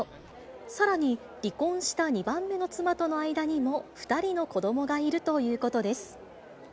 さらに、離婚した２番目の妻との間にも２人の子どもがいるということです。